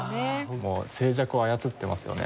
もう静寂を操ってますよね。